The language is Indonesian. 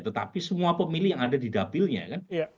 tetapi semua pemilih yang ada di dapilnya kan